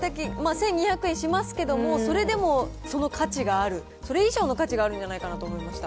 １２００円しますけども、それでもその価値がある、それ以上の価値があるんじゃないかなと思いました。